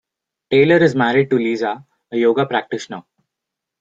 Taylor is married to Lisa, a yoga practitioner.